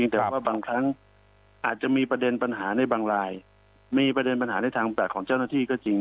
แต่ว่าบางครั้งอาจจะมีประเด็นปัญหาในบางรายมีประเด็นปัญหาในทางแบบของเจ้าหน้าที่ก็จริง